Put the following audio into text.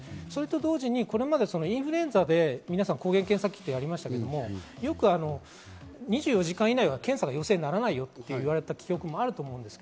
同時にこれまでインフルエンザで皆さん抗原検査キットやりましたけど、２４時間以内は検査が陽性にならないよって言われた記憶もあると思います。